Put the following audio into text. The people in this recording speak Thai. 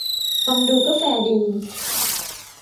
ฟังดูก็แฟร์ดี